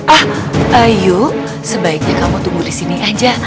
ah ayo sebaiknya kamu tunggu disini aja